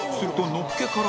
「のっけから？」